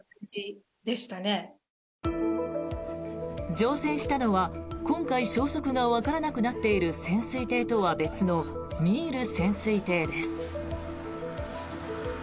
乗船したのは今回消息がわからなくなっている潜水艇とは別の「ミール」潜水艇です。